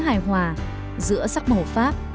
hài hòa giữa sắc màu pháp